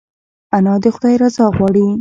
انا د خدای رضا غواړي